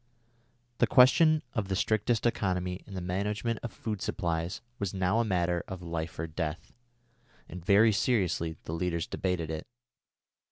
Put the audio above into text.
The question of the strictest economy in the management of the food supplies was now a matter of life or death, and very seriously the leaders debated it.